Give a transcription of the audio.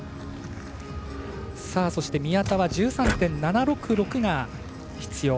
そして、宮田は１３．７６６が必要。